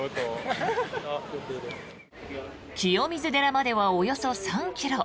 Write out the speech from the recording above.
清水寺まではおよそ３ｋｍ。